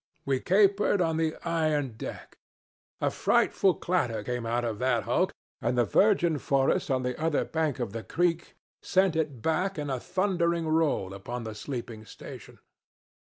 We capered on the iron deck. A frightful clatter came out of that hulk, and the virgin forest on the other bank of the creek sent it back in a thundering roll upon the sleeping station.